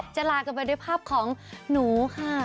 ลากันไปด้วยภาพของหนูค่ะ